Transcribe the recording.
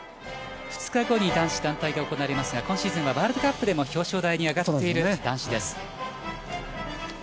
２日後に男子団体が行われますが今シーズンはワールドカップでも表彰台に上がっている男子です。